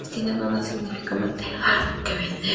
Tiene un insignificante álbum que vender.